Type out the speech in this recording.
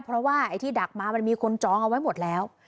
เพราะว่าไอ้ที่ดักมามันมีคนจองเอาไว้หมดแล้ว